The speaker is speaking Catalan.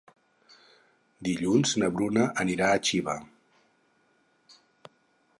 Dilluns na Bruna anirà a Xiva.